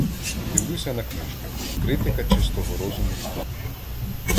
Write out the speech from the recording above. Дивлюся на книжку — "Критика чистого розуму" Канта.